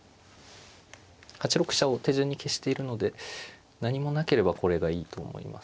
８六飛車を手順に消しているので何もなければこれがいいと思います。